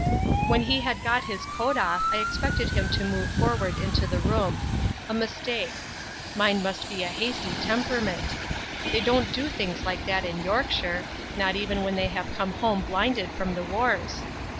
When he had got his coat off I expected him to move forward into the room. A mistake. Mine must be a hasty temperament. They don't do things like that in Yorkshire, not even when they have come home blinded from the wars.